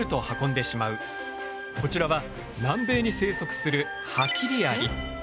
こちらは南米に生息するハキリアリ。